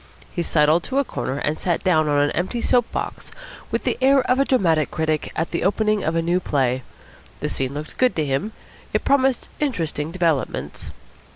He sidled to a corner and sat down on an empty soap box with the air of a dramatic critic at the opening night of a new play. The scene looked good to him. It promised interesting developments.